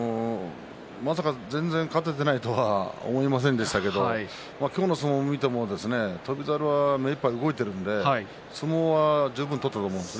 まさか全然勝てていないとは思いませんでしたけど今日の相撲を見ると翔猿は目いっぱい動いているので相撲は十分取っていると思います。